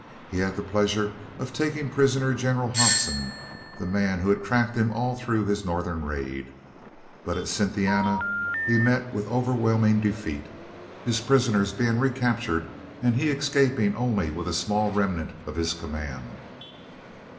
He had the pleasure of taking prisoner General Hobson, the man who had tracked him all through his Northern raid. But at Cynthiana he met with overwhelming defeat, his prisoners being recaptured, and he escaping with only a small remnant of his command.